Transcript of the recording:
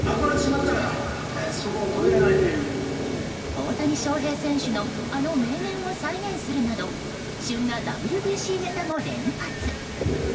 大谷翔平選手のあの名言を再現するなど旬なＷＢＣネタも連発。